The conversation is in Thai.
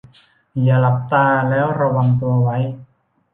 อย่าหลับตาแล้วระวังตัวไว้